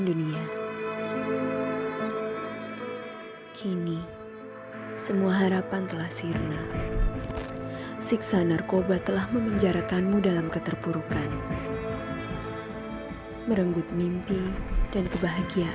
di depan rumah kita